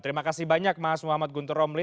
terima kasih banyak mas muhammad guntur romli